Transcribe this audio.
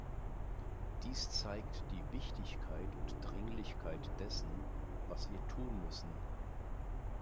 Dies zeigt die Wichtigkeit und Dringlichkeit dessen, was wir tun müssen.